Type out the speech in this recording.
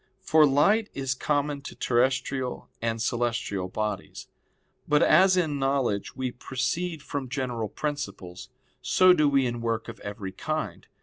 For light is common to terrestrial and celestial bodies. But as in knowledge we proceed from general principles, so do we in work of every kind.